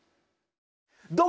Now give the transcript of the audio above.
どうも！